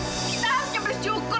kita harusnya bersyukur